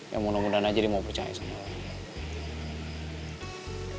ya mudah mudahan aja dia mau percaya sama orang